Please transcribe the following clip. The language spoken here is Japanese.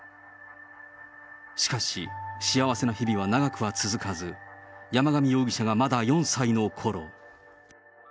しかし、幸せな日々は長くは続かず、山上容疑者がまだ４歳のころ。